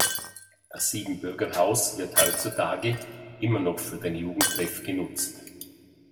Das Siebenbürger Haus wird heutzutage immer noch für den Jugendtreff genutzt.